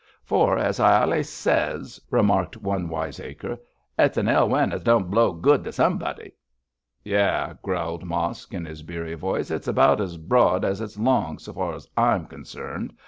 'For, as I allays ses,' remarked one wiseacre, 'it's an ill wind as don't blow good to somebody.' 'Yah!' growled Mosk, in his beery voice, 'it's about as broad as it's long so far as I'm concerned.